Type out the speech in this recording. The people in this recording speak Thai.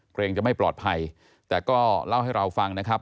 เกรงจะไม่ปลอดภัยแต่ก็เล่าให้เราฟังนะครับ